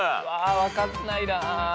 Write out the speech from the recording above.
分かんないな。